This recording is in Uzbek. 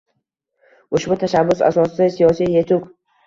Ushbu tashabbus asosida siyosiy yetuk.